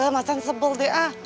masan sebel deh